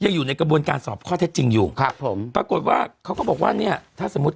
อยู่ในกระบวนการสอบข้อเท็จจริงอยู่ครับผมปรากฏว่าเขาก็บอกว่าเนี้ยถ้าสมมุติ